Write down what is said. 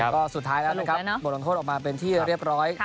และสุดท้ายก็บทลงโทษให้ออกมาเป็นที่เรียบร้อย